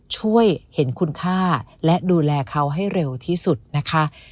ช่วยเห็นคุณค่าและดูแลเขาให้เร็วที่สุดนะคะ